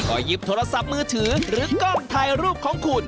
ก็หยิบโทรศัพท์มือถือหรือกล้องถ่ายรูปของคุณ